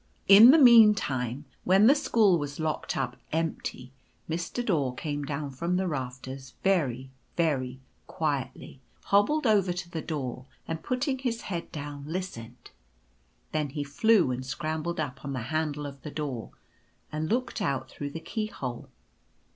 In the meantime, when the school was locked up empty, Mr. Daw came down from the rafters very, very quietly — hobbled over to the door, and putting his head down, listened ; then he flew and scrambled up on the handle of the door, and looked out through the keyhole.